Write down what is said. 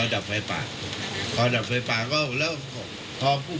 ไม่ได้ไปเอาเคยการใช้วุฒิภาพโทรปากรอะไร